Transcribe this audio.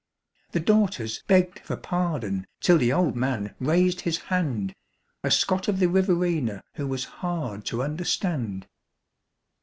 The daughters begged for pardon till the old man raised his hand A Scot of the Riverina who was hard to understand.